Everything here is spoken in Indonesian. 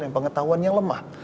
dan pengetahuannya lemah